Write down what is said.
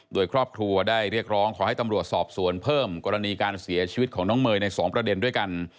โดยครอบครัวได้เรียกร้องขอให้ตำรวจสอบสวนเพิ่มกรณีการเสียชีวิตของน้องเมย์ใน๒ประเด็นด้วยกัน